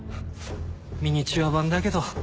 ミニチュア版だけど。